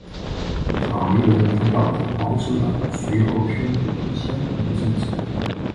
卡梅伦领导的保守党随后宣布了相同的政策。